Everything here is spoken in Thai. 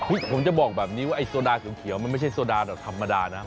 ผมจะบอกแบบนี้ว่าไอโซดาเขียวมันไม่ใช่โซดาหรอกธรรมดานะ